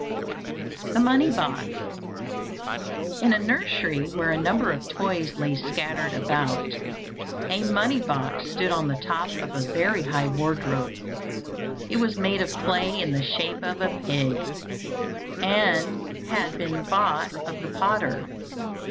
THE MONEY BOX In a nursery where a number of toys lay scattered about, a money box stood on the top of a very high wardrobe. It was made of clay in the shape of a pig, and had been bought of the potter.